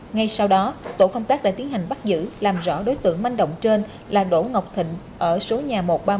ngay sau đó tổ công tác đã tiến hành bắt giữ làm rõ đối tượng manh động trên là đỗ ngọc thịnh ở số nhà một trăm ba mươi một